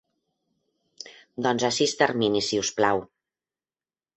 Doncs a sis terminis si us plau.